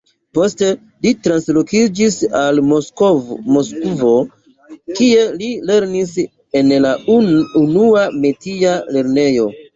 Poste li translokiĝis al Moskvo, kie li lernis en la Unua Metia lernejo.